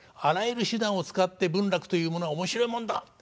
あらゆる手段を使って「文楽というものは面白いもんだ。